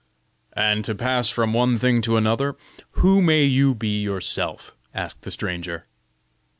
"And to pass from one thing to another, who may you be yourself?" asked the stranger.